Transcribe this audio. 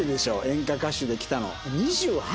演歌歌手で来たの。